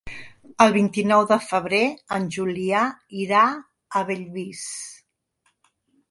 El vint-i-nou de febrer en Julià irà a Bellvís.